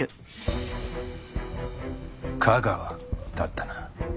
架川だったな。